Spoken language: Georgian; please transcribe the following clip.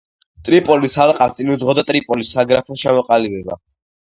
ტრიპოლის ალყას წინ უძღოდა ტრიპოლის საგრაფოს ჩამოყალიბება.